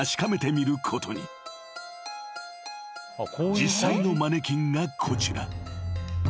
［実際のマネキンがこちら］